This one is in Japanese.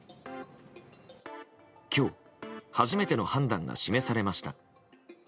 今日、初めての判断が示されました。